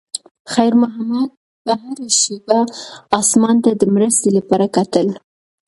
خیر محمد به هره شېبه اسمان ته د مرستې لپاره کتل.